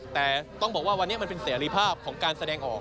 แต่ต้องบอกว่าวันนี้มันเป็นเสรีภาพของการแสดงออก